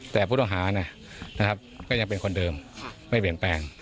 แต่ผู้ต้องหานะครับก็ยังเป็นคนเดิมไม่เปลี่ยนแปลง